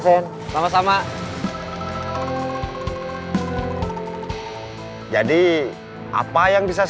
soalnya kamu udahima tak bisa tidur